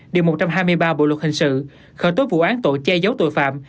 điều một trăm hai mươi ba bộ luật hình sự khởi tố vụ án tội che giấu tội phạm